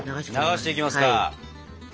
流していきますか。